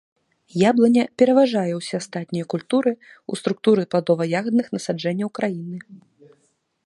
Яблыня пераважае ўсе астатнія культуры ў структуры пладова-ягадных насаджэнняў краіны.